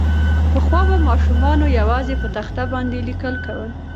پخوا به ماسومانو یوازې په تخته باندې لیکل کول.